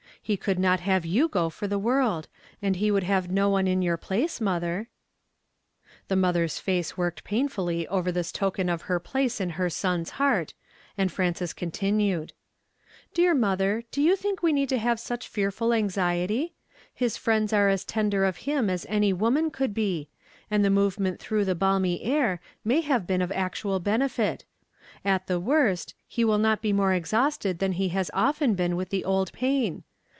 Ho would not have you go for tli«f world ; and ho would have no one in your place, niotlier." Tho niotlicr's face worked painfully over this token of her place in her son's heart, and Frances continued, — '•Dear mother, do you think we need to have sncli fearful anxic^ty ? His friends are as tender of liini as any woman could be; and the movement through the ])alniy air may have been of actual benellt. At the worst, lie will not be more ex hausted than he has often been with the old pain.